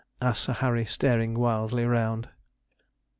asked Sir Harry, staring wildly round.